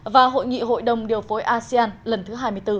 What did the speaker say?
và hội nghị hội đồng điều phối asean lần thứ hai mươi bốn